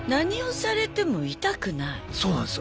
そうなんです。